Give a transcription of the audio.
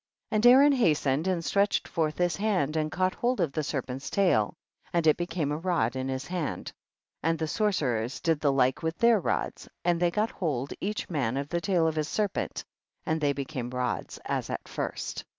41. And Aaron hastened and stretched forth his hand and caught hold of the serpent's tail and it be came a' rod in his hand, and the sor cerers did the like with their rods, and they got hold, each man of the tail of his serpent, and they became rods as at first.